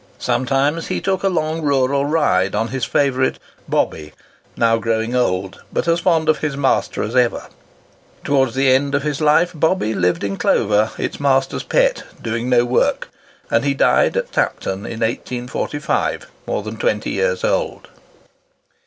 Sometimes he took a long rural ride on his favourite "Bobby," now growing old, but as fond of his master as ever. Towards the end of his life, "Bobby" lived in clover, its master's pet, doing no work; and he died at Tapton, in 1845, more than twenty years old.